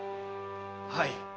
はい。